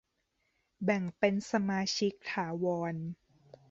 แบ่งเป็นสมาชิกถาวร